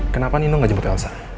kenapa nino nggak jemput elsa